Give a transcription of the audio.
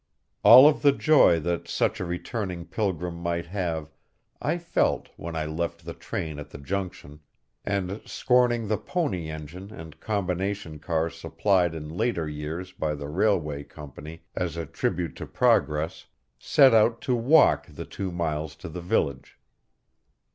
All of the joy that such a returning pilgrim might have I felt when I left the train at the junction, and, scorning the pony engine and combination car supplied in later years by the railway company as a tribute to progress, set out to walk the two miles to the village.